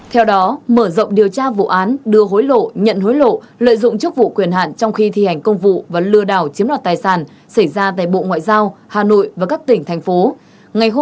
theo đó mở rộng điều tra vụ án đưa hối lộ nhận hối lộ lợi dụng chức vụ quyền hạn trong khi thi hành công vụ và lừa đảo chiếm đoạt tài sản xảy ra tại bộ ngoại giao hà nội và các tỉnh thành phố